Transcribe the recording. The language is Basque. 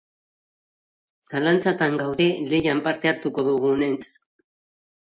Zalantzatan gaude lehian parte hartuko dugunentz.